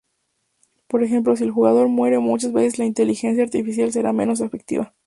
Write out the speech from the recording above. Por ejemplo, si el jugador muere muchas veces la inteligencia artificial será menos efectiva.